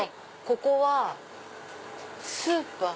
ここはスーパー？